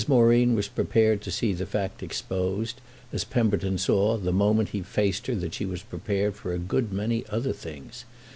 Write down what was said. Moreen was prepared to see the fact exposed, as Pemberton saw the moment he faced her that she was prepared for a good many other things.